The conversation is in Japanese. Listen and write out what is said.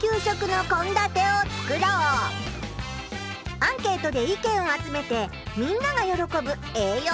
アンケートで意見を集めてみんながよろこぶえいよう